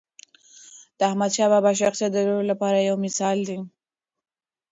د احمدشاه بابا شخصیت د ټولو لپاره یو مثال دی.